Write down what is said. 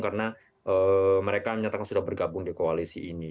karena mereka menyatakan sudah bergabung di koalisi ini